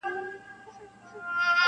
• بې هنرو دي د ښار کوڅې نیولي -